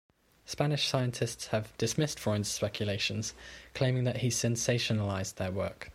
Spanish scientists have dismissed Freund's speculations, claiming that he sensationalised their work.